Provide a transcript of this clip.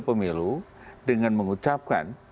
pemilu dengan mengucapkan